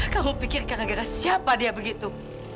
kamu pikir gara gara siapa dia begitu